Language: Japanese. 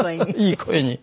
いい声に。